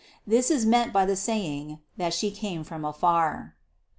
This is meant by the saying "that She came from afar."